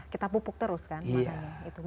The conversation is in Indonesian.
kita pupuk terus kan makanya